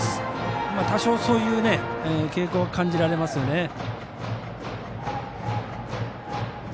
多少、そういう傾向が感じられますね。